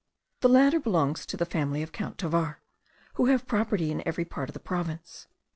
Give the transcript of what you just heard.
The latter belongs to the family of Count Tovar, who have property in every part of the province.